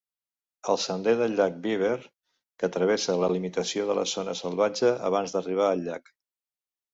El sender del llac Beaver, que travessa la limitació de la zona salvatge abans d'arribar al llac.